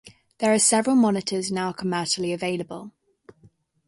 There are several monitors now commercially available.